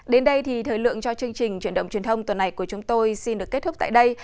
đến đây thì thời lượng cho chương trình chuyển động truyền thông tuần này của chúng tôi xin được kết thúc tại đây